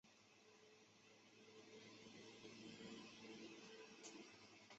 孙奎的老母亲见此便使劲攥住刺刀。